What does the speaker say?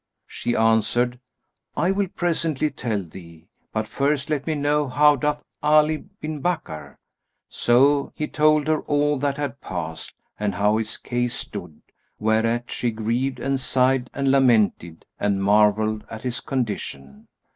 She answered, "I will presently tell thee, but first let me know how doth Ali bin Bakkar." So he told her all that had passed and how his case stood, whereat she grieved and sighed and lamented and marvelled at his condition.